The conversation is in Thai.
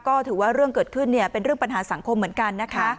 ก็ถือว่าเรื่องเกิดขึ้นเนี่ยเป็นเรื่องปัญหาสังคมเหมือนกันนะคะ